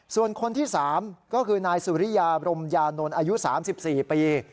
ส่วนคนที่๓ก็คือนายสุริยาบรมยานนท์อายุ๓๔ปี